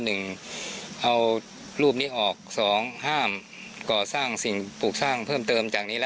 หนึ่งเอารูปนี้ออกสองห้ามก่อสร้างสิ่งปลูกสร้างเพิ่มเติมจากนี้แล้ว